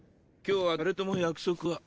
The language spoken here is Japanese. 今日は誰とも約束は。